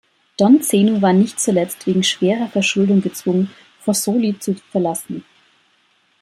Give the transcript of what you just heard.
Don Zeno war nicht zuletzt wegen schwerer Verschuldung gezwungen, Fossoli zu verlassen.